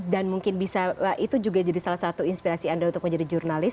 dan mungkin bisa itu juga jadi salah satu inspirasi anda untuk menjadi jurnalis